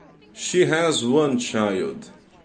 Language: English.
She has one child.